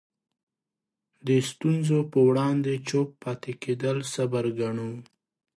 د ستونزو په وړاندې چوپ پاتې کېدل صبر ګڼو.